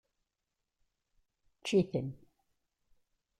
Ečč-iten!